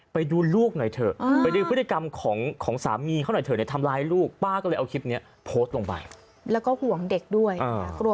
ไปดูลูกหน่อยเถอะไปดูพฤติกรรมของสามีเข้าหน่อยเถอะ